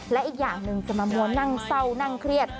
และอีกอย่างหนึ่งจะมามัวนั่งเศร้านั่งเครียด